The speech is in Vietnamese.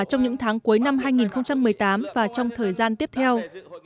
trong những tháng cuối năm hai nghìn một mươi tám và trong thời gian tiếp theo